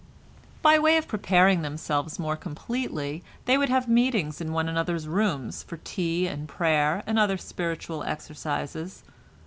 By way of preparing themselves more completely they would have meetings in one another's rooms for tea and prayer and other spiritual exercises.